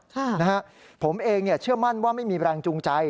ใช่นะฮะผมเองเชื่อมั่นว่าไม่มีแบรนด์จูงใจ